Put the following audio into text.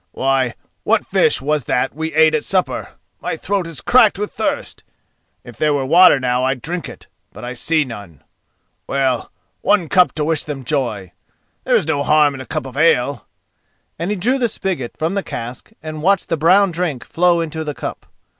"Why, what fish was that we ate at supper? My throat is cracked with thirst! If there were water now I'd drink it, but I see none. Well, one cup to wish them joy! There is no harm in a cup of ale," and he drew the spigot from the cask and watched the brown drink flow into the cup.